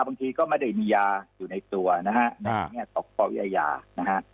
บางทีก็ไม่ได้มียาอยู่ในตัวนะฮะในแง่ของปวิทยานะฮะ